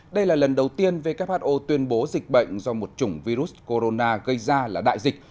đây là lần đầu tiên who tuyên bố dịch bệnh do một chủng virus corona gây ra là đại dịch